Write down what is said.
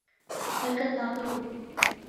حرکت نہ کرو